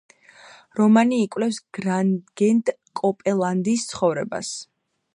რომანი იკვლევს გრანგენ კოპელანდის ცხოვრებას.